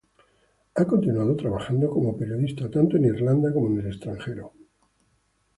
Ha continuado trabajando como periodista tanto en Irlanda como en el extranjero.